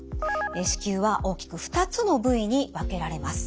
子宮は大きく２つの部位に分けられます。